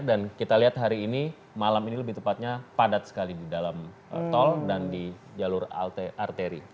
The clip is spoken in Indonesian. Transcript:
dan kita lihat hari ini malam ini lebih tepatnya padat sekali di dalam tol dan di jalur arteri